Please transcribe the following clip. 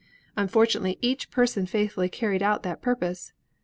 Unfortu 42 ASTRONOMY nately each person faithfully carried out that purpose.